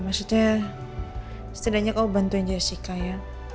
maksudnya setidaknya kau bantuin jessica ya